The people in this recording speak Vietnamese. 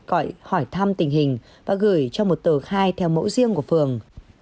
gọi hỏi thăm tình hình và gửi cho một tờ khai theo mẫu riêng của phường